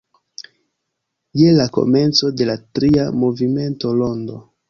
Je la komenco de la tria movimento "rondo.